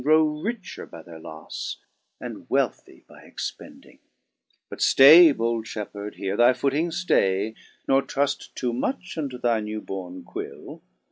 Grow richer by their lofle, and wealthy by expending. II. But ftay, bold Shepheard ! "here thy footing ftay. Nor truft too much unto thy new borne quill.